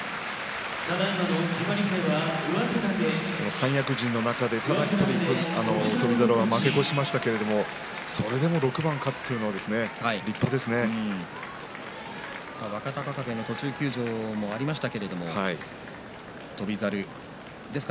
三役陣の中でただ１人翔猿は負け越しましたけどそれでも６番勝つというのは若隆景の途中休場もありました。